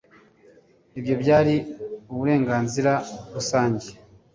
Ibyo byari uburenganzira rusange